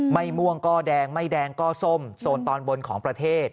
ม่วงก็แดงไม่แดงก็ส้มโซนตอนบนของประเทศ